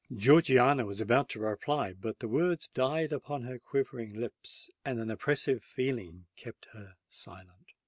Georgiana was about to reply;—but the words died upon her quivering lips—and an oppressive feeling kept her silent.